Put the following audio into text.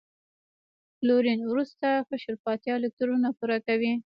کلورین وروستی قشر په اته الکترونونه پوره کوي.